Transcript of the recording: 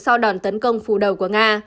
sau đòn tấn công phù đầu của nga